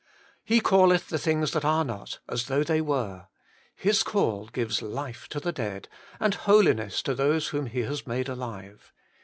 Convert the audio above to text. He calleth the things that are not as though they were : His call gives life to the dead, and holiness to those whom He has made alive.